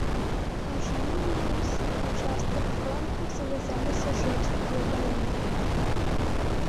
У жніўні на ўсіх участках фронту завязаліся жорсткія баі.